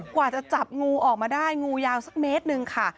กว่าจะจับงูออกมาได้งูยาวสักเมตรหนึ่งค่ะ